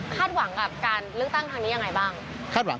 หวังกับการเลือกตั้งทางนี้ยังไงบ้าง